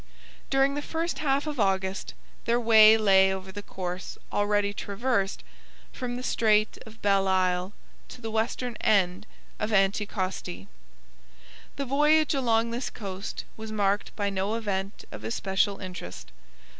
During the first half of August their way lay over the course already traversed from the Strait of Belle Isle to the western end of Anticosti. The voyage along this coast was marked by no event of especial interest.